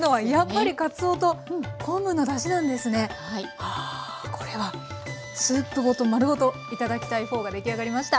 あこれはスープごと丸ごと頂きたいフォーが出来上がりました。